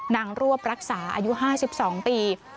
รวบรักษาอายุ๕๒ปี